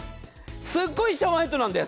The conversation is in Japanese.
すごいシャワーヘッドなんです。